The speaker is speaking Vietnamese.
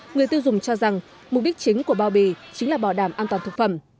người tiêu dùng cho rằng mục đích chính của bao bì chính là bảo đảm an toàn thực phẩm